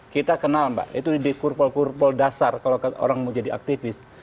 kita kenal mbak itu di kurpol kurpol dasar kalau orang mau jadi aktivis